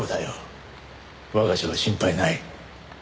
我が社は心配ない。